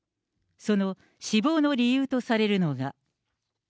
その死亡の理由とされるのが。